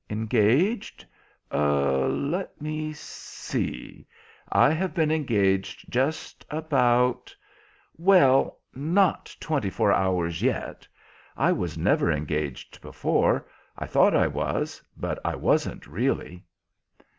"Engaged? Let me see, I have been engaged just about—well, not twenty four hours yet. I was never engaged before. I thought I was, but I wasn't really."